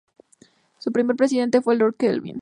Su primer presidente fue Lord Kelvin.